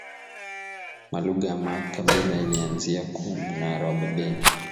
Ma luga ya ma kabila ilianzia ku munara wa babeli